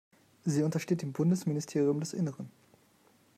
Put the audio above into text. Sie untersteht dem Bundesministerium des Innern.